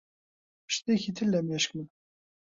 شتێکی تر لە مێشکمە.